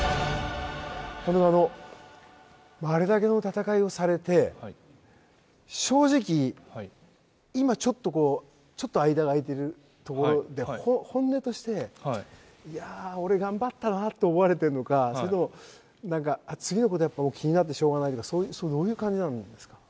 本当にあのあれだけの戦いをされて正直今ちょっとこうちょっと間が空いてるところで本音としていやあ俺頑張ったなと思われてるのかそれともなんか次の事やっぱ気になってしょうがないとかどういう感じなんですか？